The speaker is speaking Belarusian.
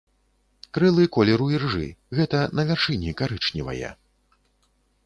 Крылы колеру іржы, гэта на вяршыні карычневае.